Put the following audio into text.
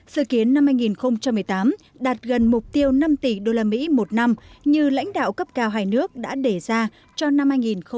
sự kiến năm hai nghìn một mươi tám đạt gần mục tiêu năm tỷ usd một năm như lãnh đạo cấp cao hai nước đã để ra cho năm hai nghìn một mươi chín